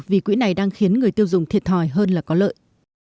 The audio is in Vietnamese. vì quỹ này đang khiến người tiêu dùng thiệt thòi hơn là có lợi